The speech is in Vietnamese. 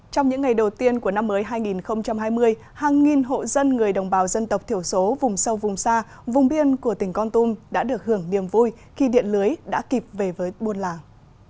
trong những ngày đầu tiên của năm mới hai nghìn hai mươi hàng nghìn hộ dân người đồng bào dân tộc thiểu số vùng sâu vùng xa vùng biên của tỉnh con tum đã được hưởng niềm vui khi điện lưới đã kịp về với buôn làng